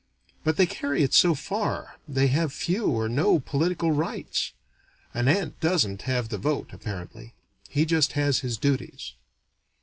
But they carry it so far, they have few or no political rights. An ant doesn't have the vote, apparently: he just has his duties.